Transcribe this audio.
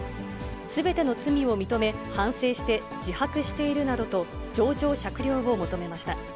すべての罪を認め、反省して、自白しているなどと情状酌量を求めました。